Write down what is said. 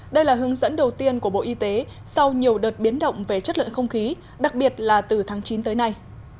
đây là hướng dẫn đầu tiên của bộ y tế sau nhiều đợt biến động về chất lượng không khí đặc biệt là từ tháng chín tới nay